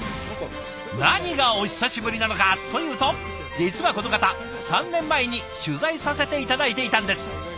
何がお久しぶりなのかというと実はこの方３年前に取材させて頂いていたんです。